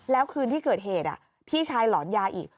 แล้วคืนที่เกิดเหตุพี่ชายหลอนยาอีก